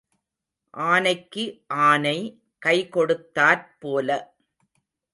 ஆனைக்கு ஆனை கைகொடுத்தாற் போல.